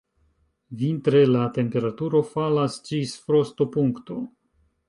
Vintre la temperaturo falas ĝis frostopunkto.